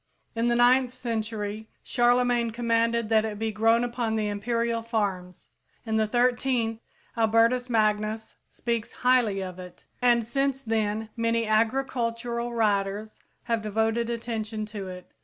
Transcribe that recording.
In the ninth century, Charlemagne commanded that it be grown upon the imperial farms; in the thirteenth, Albertus Magnus speaks highly of it; and since then many agricultural writers have devoted attention to it.